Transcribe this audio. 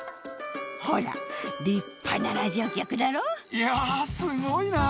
いやすごいな！